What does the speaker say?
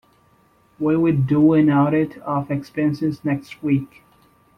We will do an audit of expenses next week.